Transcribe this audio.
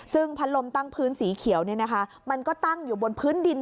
ซึ่งพัดลมตั้งพื้นสีเขียวมันก็ตั้งอยู่บนพื้นดิน